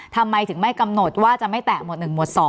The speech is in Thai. ทำไมถึงไม่กำหนดว่าจะไม่แตะหมวด๑หมวด๒